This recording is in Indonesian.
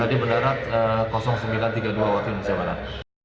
tadi mendarat sembilan tiga puluh dua waktu indonesia barat